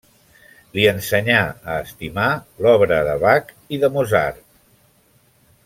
Li ensenyà a estimar l'obra de Bach i de Mozart.